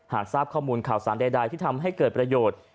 ทราบข้อมูลข่าวสารใดที่ทำให้เกิดประโยชน์